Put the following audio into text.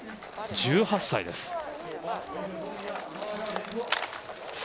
１８歳です。